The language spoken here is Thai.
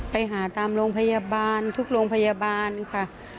ไปหาตามโรงพยาบาลทุกโรงพยาบาลค่ะ